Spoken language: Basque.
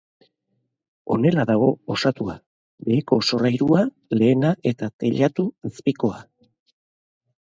Honela dago osatua: beheko solairua, lehena eta teilatu azpikoa.